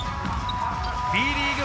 Ｂリーグ